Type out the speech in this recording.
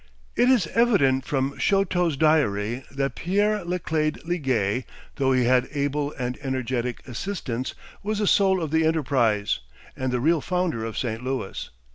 It is evident from Chouteau's diary that Pierre Laclede Liguest, though he had able and energetic assistants, was the soul of the enterprise, and the real founder of St. Louis.